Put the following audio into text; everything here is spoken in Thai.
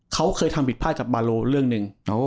เขาเคยทำผิดพลาดกับบาโลเรื่องหนึ่ง